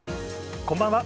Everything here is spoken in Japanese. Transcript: こんばんは。